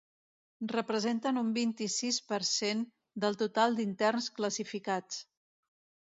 Representen un vint-i-sis per cent del total d’interns classificats.